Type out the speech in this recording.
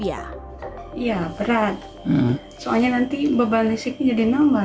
iya berat soalnya nanti beban listriknya jadi nambah